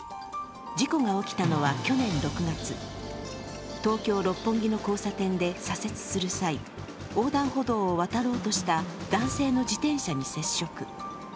事故が起きたのは去年６月、東京・六本木の交差点で左折する際、横断歩道を渡ろうとした男性の自転車に接触。